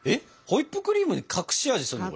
ホイップクリームで隠し味するの？